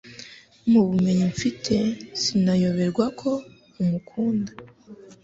mubumenyi mfite sinayoberwa ko umukunda